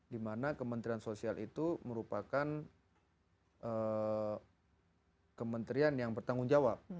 dimana kementerian sosial itu merupakan kementerian yang bertanggung jawab